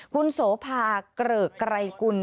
คุณโสภาเกริกไกรกุล